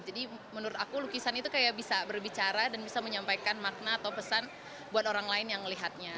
jadi menurut aku lukisan itu kayak bisa berbicara dan bisa menyampaikan makna atau pesan buat orang lain yang melihatnya